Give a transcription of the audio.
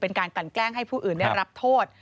การกลั่นแกล้งให้ผู้อื่นได้รับโทษ